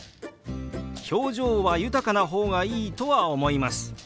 表情は豊かな方がいいとは思います。